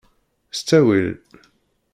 S ttawil!